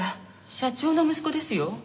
社長の息子ですよ？